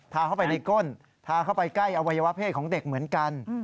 เข้าไปในก้นทาเข้าไปใกล้อวัยวะเพศของเด็กเหมือนกัน